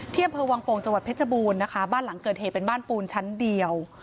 เที่ยมพรวงโปรงจวดเพชจบูนบ้านหลังเกิดเหตุเป็นบ้านปูลชั้นเดี่ยว